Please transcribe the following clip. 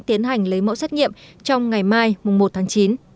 tiến hành lấy mẫu xét nghiệm trong ngày mai một tháng chín